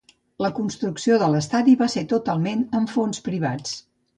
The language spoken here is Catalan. La construcció de l'estadi va ser totalment amb fons privats.